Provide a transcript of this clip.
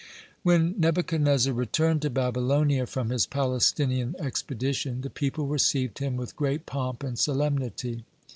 (129) When Nebuchadnezzar returned to Babylonia from his Palestinian expedition, the people received him with great pomp and solemnity.